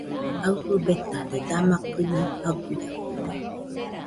Aɨfɨ betade, dama kɨnaɨ aguiaguide.